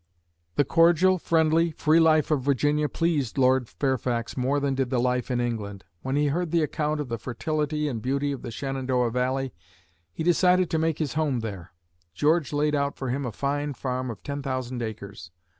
The cordial, friendly, free life of Virginia pleased Lord Fairfax more than did the life in England. When he heard the account of the fertility and beauty of the Shenandoah Valley, he decided to make his home there. George laid out for him a fine farm of ten thousand acres.